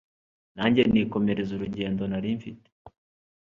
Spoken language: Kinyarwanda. nanjye nikomereza urugendonarimfite